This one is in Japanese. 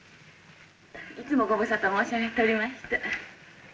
いつもご無沙汰申し上げておりまして。